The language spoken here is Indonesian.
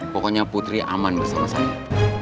pokoknya putri aman bersama pak regar